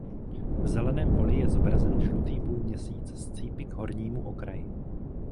V zeleném poli je zobrazen žlutý půlměsíc s cípy k hornímu okraji.